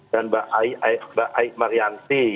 dan mbak aik marianti